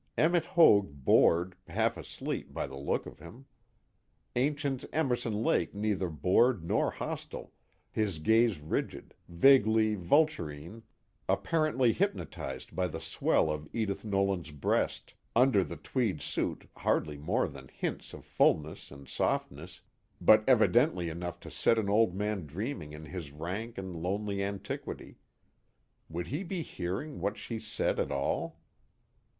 Emmet Hoag bored, half asleep by the look of him. Ancient Emerson Lake neither bored nor hostile, his gaze rigid, vaguely vulturine, apparently hypnotized by the swell of Edith Nolan's breast, under the tweed suit hardly more than hints of fullness and softness, but evidently enough to set an old man dreaming in his rank and lonely antiquity; would he be hearing what she said at all?